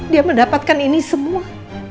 dia mendapatkan ini semua